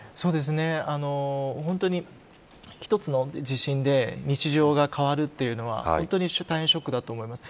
本当に一つの地震で日常が変わるというのは大変、ショックだと思います。